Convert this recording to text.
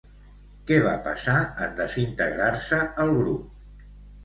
Què va passar en desintegrar-se el grup?